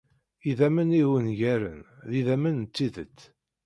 Idammen ihungaren d idammen n tidet.